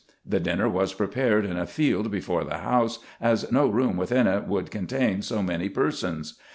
The dinner was prepared in a field before the house, as no room within it would contain so many persons.